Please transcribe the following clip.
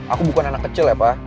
aku bukan anak kecil ya pak